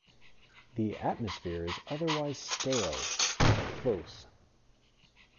The atmosphere is otherwise stale and close.